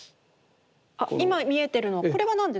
あっ今見えてるのこれは何ですか？